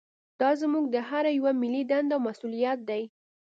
دا زموږ د هر یوه ملي دنده او مسوولیت دی